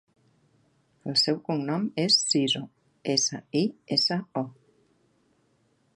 El seu cognom és Siso: essa, i, essa, o.